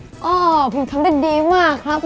อ๋อพี่พรีมทำได้ดีมากครับ